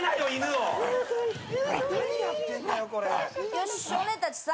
よし少年たちさ